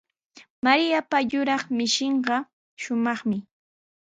Mariapa yuraq mishinqa shumaqmi.